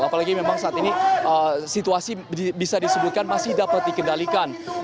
apalagi memang saat ini situasi bisa disebutkan masih dapat dikendalikan